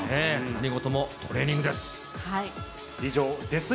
何事もトレーニングです。